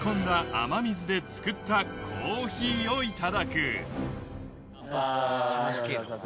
雨水で作ったコーヒーをいただくカンパイ。